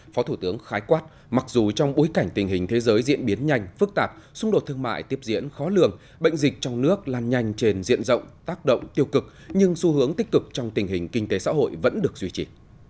phó thủ tướng khái quát mặc dù trong bối cảnh tình hình thế giới diễn biến nhanh phức tạp xung đột thương mại tiếp diễn khó lường bệnh dịch trong nước lan nhanh trên diện rộng tác động tiêu cực nhưng xu hướng tích cực trong tình hình kinh tế xã hội vẫn được duy trì